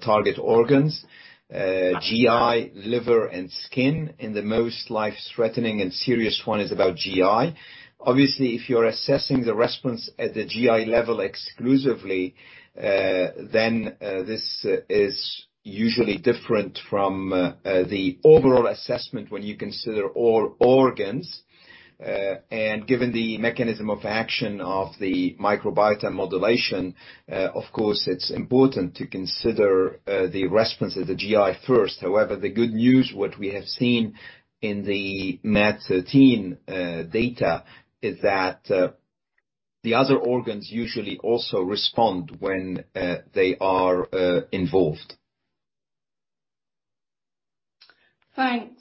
target organs, GI, liver, and skin. The most life-threatening and serious one is about GI. Obviously, if you're assessing the response at the GI level exclusively, then this is usually different from the overall assessment when you consider all organs. Given the mechanism of action of the microbiota modulation, of course, it's important to consider the response of the GI first. However, the good news, what we have seen in the MaaT013 data is that the other organs usually also respond when they are involved. Thanks.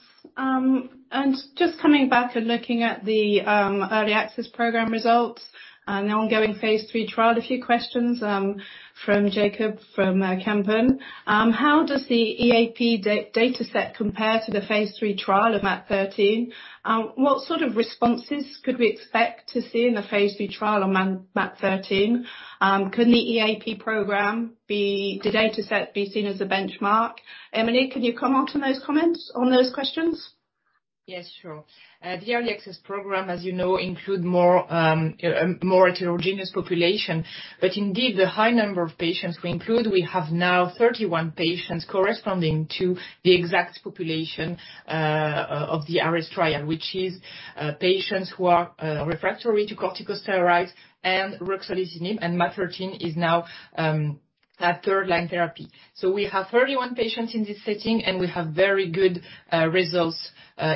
Just coming back and looking at the early access program results and the ongoing phase III trial, a few questions from Jacob, from Kempen. How does the EAP data set compare to the phase III trial of MaaT013? What sort of responses could we expect to see in the phase III trial on MaaT013? Can the EAP program be... the data set be seen as a benchmark? Emilie, can you comment on those comments on those questions? Yes, sure. The early access program, as you know, include a more heterogeneous population. Indeed, the high number of patients we include, we have now 31 patients corresponding to the exact population of the ARES trial, which is patients who are refractory to corticosteroids and ruxolitinib, and MaaT013 is now a third-line therapy. We have 31 patients in this setting, and we have very good results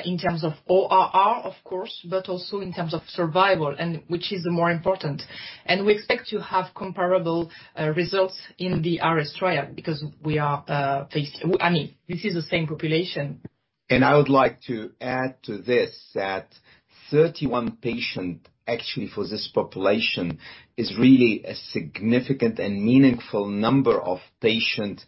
in terms of ORR, of course, but also in terms of survival and which is more important. We expect to have comparable results in the ARES trial because we are, I mean, this is the same population. I would like to add to this that 31 patients, actually for this population, is really a significant and meaningful number of patients.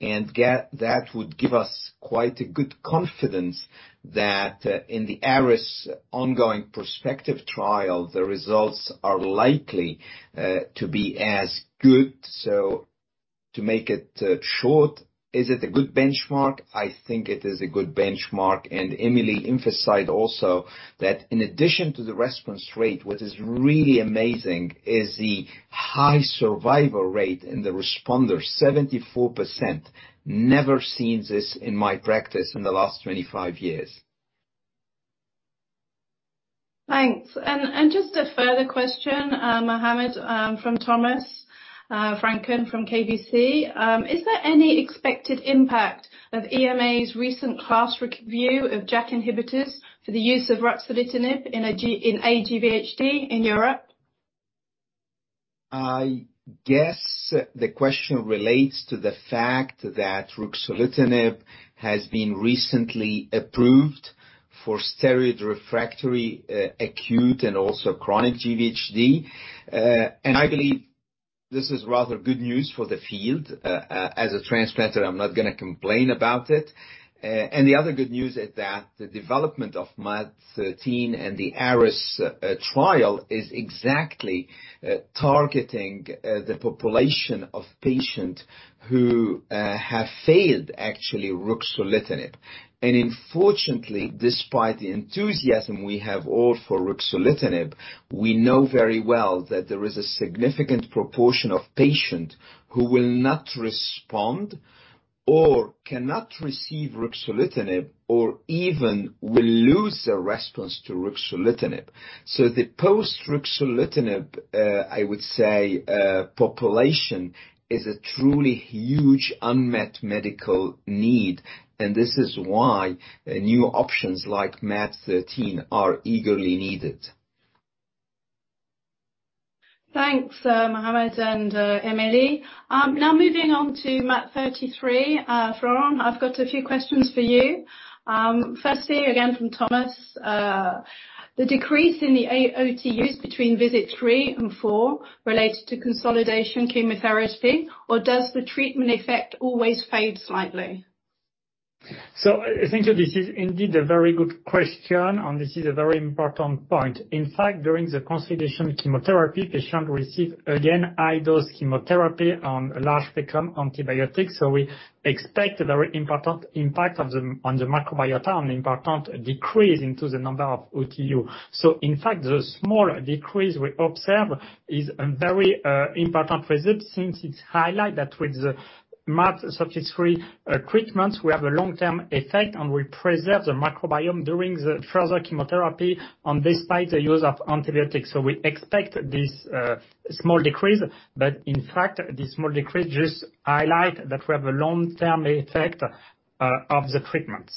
That would give us quite a good confidence that in the ARIS ongoing prospective trial, the results are likely to be as good. To make it short, is it a good benchmark? I think it is a good benchmark. Emilie emphasized also that in addition to the response rate, what is really amazing is the high survival rate in the responder, 74%. Never seen this in my practice in the last 25 years. Thanks. Just a further question, Mohamad, from Thomas Vranken from KBC. Is there any expected impact of EMA's recent class review of JAK inhibitors for the use of ruxolitinib in aGvHD in Europe? I guess the question relates to the fact that ruxolitinib has been recently approved for steroid-refractory acute and also chronic GvHD. I believe this is rather good news for the field. As a transplanter, I'm not gonna complain about it. The other good news is that the development of MaaT013 and the ARES trial is exactly targeting the population of patients who have failed, actually, ruxolitinib. Unfortunately, despite the enthusiasm we have all for ruxolitinib, we know very well that there is a significant proportion of patients who will not respond or cannot receive ruxolitinib or even will lose their response to ruxolitinib. The post-ruxolitinib, I would say, population is a truly huge unmet medical need, and this is why new options like MaaT013 are eagerly needed. Thanks, Mohamad and Emilie. Moving on to MaaT033. Florent, I've got a few questions for you. Firstly, again from Thomas, the decrease in the OTU between visit three and four related to consolidation chemotherapy, or does the treatment effect always fade slightly? Thank you. This is indeed a very good question, and this is a very important point. In fact, during the consolidation chemotherapy, patient receive, again, high-dose chemotherapy and a large spectrum antibiotics. We expect a very important impact of the, on the microbiota, an important decrease into the number of OTU. In fact, the small decrease we observe is a very important result since it highlight that with the MaaT033 treatment, we have a long-term effect, and we preserve the microbiome during the further chemotherapy and despite the use of antibiotics. We expect this small decrease, but in fact, this small decrease just highlight that we have a long-term effect of the treatment.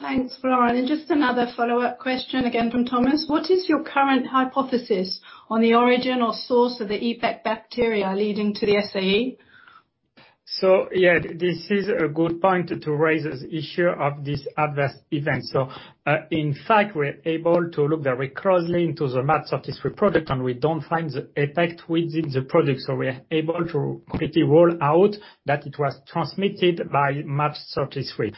Thanks, Florent. Just another follow-up question, again from Thomas. What is your current hypothesis on the origin or source of the EPEC bacteria leading to the SAE? Yeah, this is a good point to raise this issue of this adverse event. In fact, we're able to look very closely into the MaaT033 product, and we don't find the effect within the product. We are able to quickly rule out that it was transmitted by MaaT033.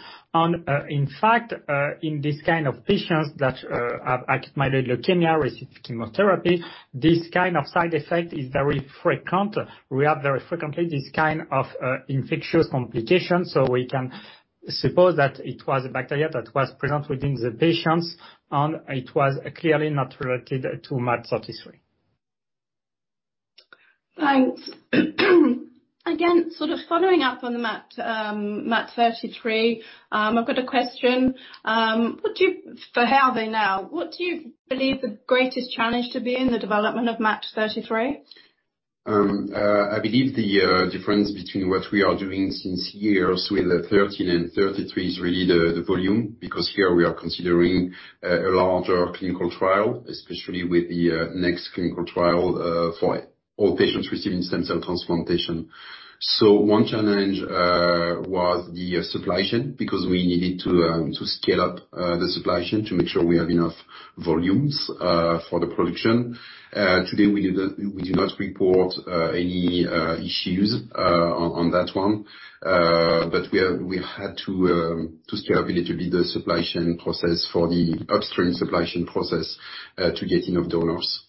In fact, in this kind of patients that have acute myeloid leukemia, receive chemotherapy, this kind of side effect is very frequent. We have very frequently this kind of infectious complication, so we can suppose that it was a bacteria that was present within the patients and it was clearly not related to MaaT033. Thanks. Again, sort of following up on the MaaT, MaaT033. I've got a question. For Halby now, what do you believe the greatest challenge to be in the development of MaaT033? I believe the difference between what we are doing since years with the 13 and 33 is really the volume. Here we are considering a larger clinical trial, especially with the next clinical trial, for all patients receiving stem cell transplantation. One challenge was the supply chain, because we needed to scale up the supply chain to make sure we have enough volumes for the production. Today we did not report any issues on that one. We have had to scale a little bit the supply chain process for the upstream supply chain process to get enough donors.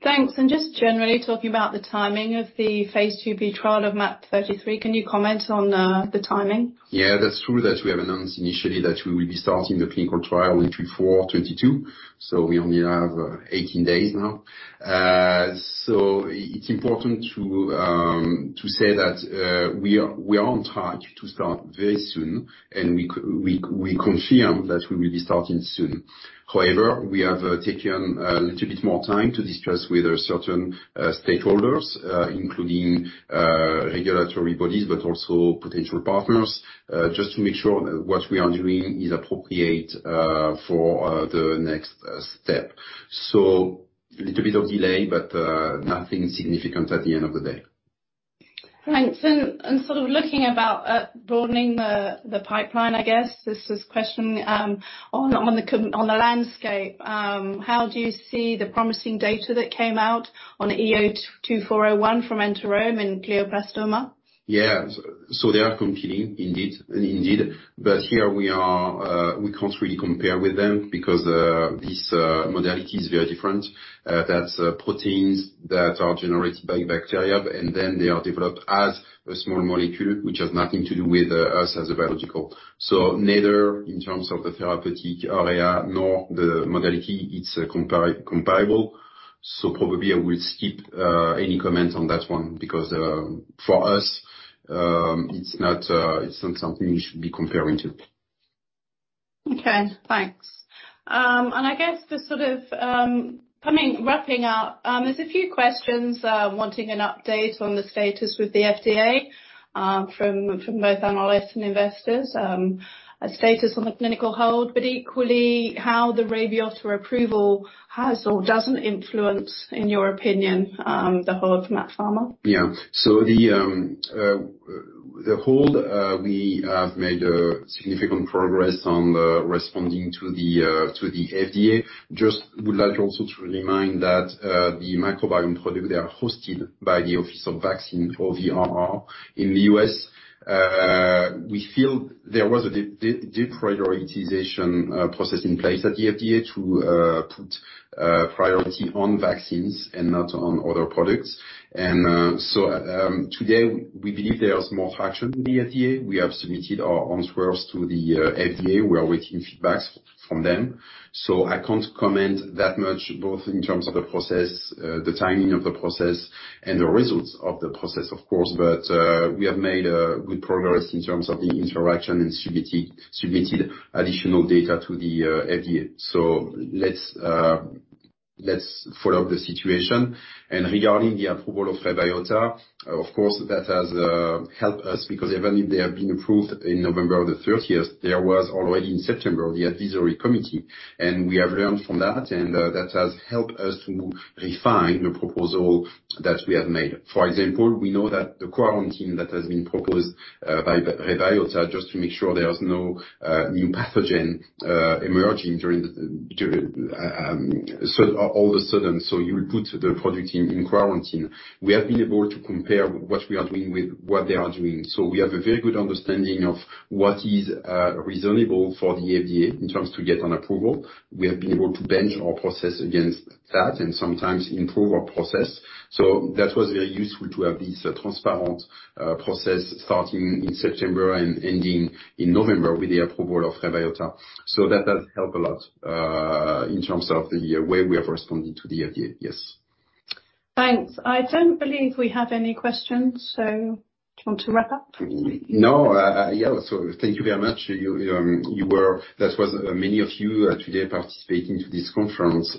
Thanks. Just generally talking about the timing of the phase II-B trial of MaaT033, can you comment on the timing? Yeah, that's true that we have announced initially that we will be starting the clinical trial in Q4 2022, so we only have 18 days now. It's important to say that we are on track to start very soon, and we confirm that we will be starting soon. However, we have taken a little bit more time to discuss with certain stakeholders, including regulatory bodies, but also potential partners, just to make sure that what we are doing is appropriate for the next step. Little bit of delay, but nothing significant at the end of the day. Thanks. Sort of looking about, broadening the pipeline, I guess, this is question, on the landscape, how do you see the promising data that came out on the EO2401 from Enterome in glioblastoma? Yeah. They are competing indeed. Here we are, we can't really compare with them because this modality is very different. That's proteins that are generated by bacteria, and then they are developed as a small molecule, which has nothing to do with us as a biological. Neither in terms of the therapeutic area nor the modality, it's comparable. Probably I will skip any comments on that one because for us, it's not something we should be comparing to. Okay, thanks. I guess the sort of, coming wrapping up, there's a few questions, wanting an update on the status with the FDA, from both analysts and investors, a status on the clinical hold, but equally how the REBYOTA approval has or doesn't influence, in your opinion, the hold for MaaT Pharma. The hold, we have made significant progress on responding to the FDA. Just would like also to remind that the microbiome product, they are hosted by the Office of Vaccine OVRR in the U.S. We feel there was a deprioritization process in place at the FDA to put priority on vaccines and not on other products. Today we believe there is more traction with the FDA. We have submitted our answers to the FDA. We are waiting feedback from them. I can't comment that much both in terms of the process, the timing of the process and the results of the process, of course. We have made good progress in terms of the interaction and submitted additional data to the FDA. Let's follow the situation. Regarding the approval of REBYOTA, of course, that has helped us because even if they have been approved in November of the 30th, there was already in September the advisory committee, and we have learned from that has helped us to refine the proposal that we have made. For example, we know that the quarantine that has been proposed by REBYOTA, just to make sure there is no new pathogen emerging during the all of a sudden, you will put the product in quarantine. We have been able to compare what we are doing with what they are doing. We have a very good understanding of what is reasonable for the FDA in terms to get an approval. We have been able to bench our process against that and sometimes improve our process. That was very useful to have this transparent process starting in September and ending in November with the approval of REBYOTA. That has helped a lot in terms of the way we have responded to the FDA. Yes. Thanks. I don't believe we have any questions, so do you want to wrap up? No. Yeah. Thank you very much. You. That was many of you today participating to this conference.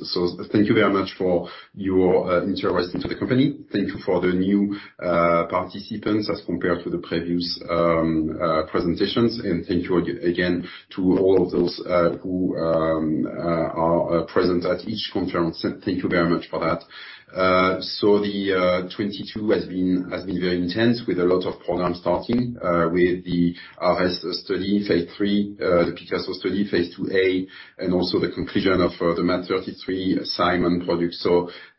Thank you very much for your interest to the company. Thank you for the new participants as compared to the previous presentations. Thank you again to all of those who are present at each conference. Thank you very much for that. The 22 has been very intense with a lot of programs starting with the ARES study phase III, the PICASSO study phase I-A, and also the conclusion of the MaaT033 SIMON product.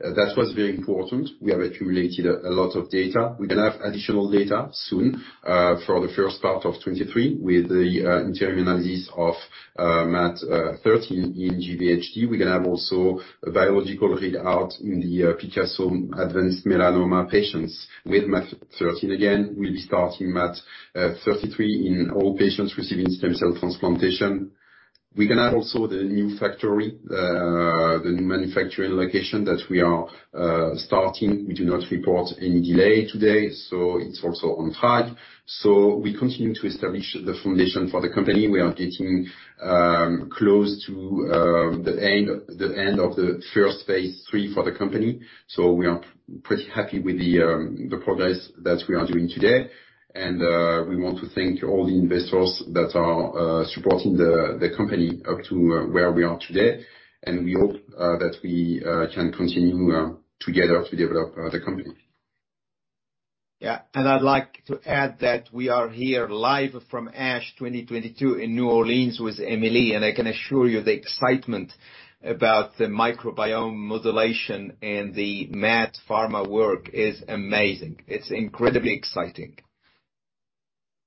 That was very important. We have accumulated a lot of data. We're gonna have additional data soon for the first part of 2023 with the interim analysis of MaaT013 in GvHD. We're gonna have also a biological readout in the PICASSO advanced melanoma patients. With MaaT013 again, we'll be starting MaaT033 in all patients receiving stem cell transplantation. We're gonna have also the new factory, the new manufacturing location that we are starting. We do not report any delay today, it's also on time. We continue to establish the foundation for the company. We are getting close to the end of the first phase III for the company. We are pretty happy with the progress that we are doing today. We want to thank all the investors that are supporting the company up to where we are today. We hope that we can continue together to develop the company. Yeah. I'd like to add that we are here live from ASH 2022 in New Orleans with Emilie, and I can assure you the excitement about the microbiome modulation and the MaaT Pharma work is amazing. It's incredibly exciting.